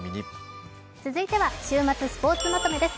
続いては「週末スポーツまとめ」です。